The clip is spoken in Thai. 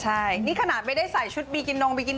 ใช่นี่ขนาดไม่ได้ใส่ชุดบีกินนมบีกิน